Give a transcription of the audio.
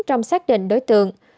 trong xác định đối tượng